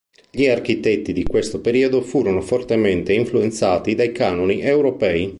Gli architetti di questo periodo furono fortemente influenzati dai canoni europei.